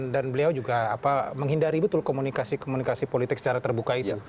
dan beliau juga menghindari betul komunikasi komunikasi politik secara terbuka itu